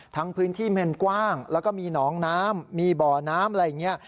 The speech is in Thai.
พื้นที่เมนกว้างแล้วก็มีหนองน้ำมีบ่อน้ำอะไรอย่างนี้